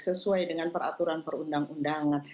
sesuai dengan peraturan perundang undangan